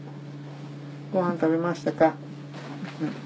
ごはん食べましたか？